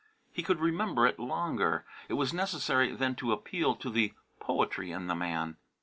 He could remember it longer. It was necessary then to appeal to the poetry in the man.